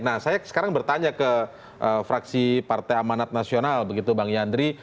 nah saya sekarang bertanya ke fraksi partai amanat nasional begitu bang yandri